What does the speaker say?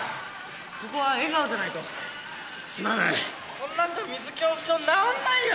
こんなんじゃ水恐怖症治んないよ。